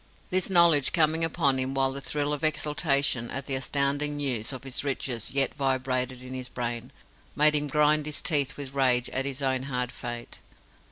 This knowledge coming upon him while the thrill of exultation at the astounding news of his riches yet vibrated in his brain, made him grind his teeth with rage at his own hard fate.